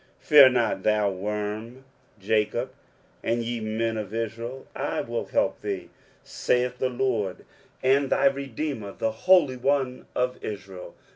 23:041:014 Fear not, thou worm Jacob, and ye men of Israel; I will help thee, saith the LORD, and thy redeemer, the Holy One of Israel.